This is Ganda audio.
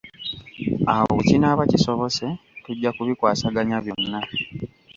Awo bwe kinaaba kisobose tujja kubikwasaganya byonna.